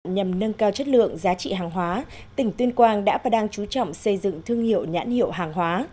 nhằm nâng cao chất lượng giá trị hàng hóa tỉnh tuyên quang đã và đang chú trọng xây dựng thương hiệu nhãn hiệu hàng hóa